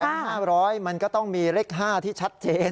๕๐๐มันก็ต้องมีเลข๕ที่ชัดเจน